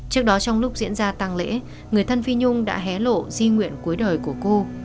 trước đó trong lúc diễn ra tăng lễ người thân phi nhung đã hé lộ di nguyện cuối đời của cô